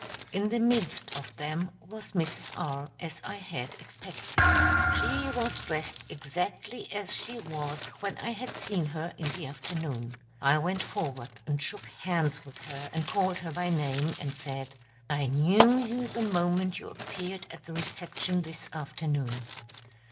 In the midst of them was Mrs. R., as I had expected. She was dressed exactly as she was when I had seen her in the afternoon. I went forward and shook hands with her and called her by name, and said: "I knew you the moment you appeared at the reception this afternoon."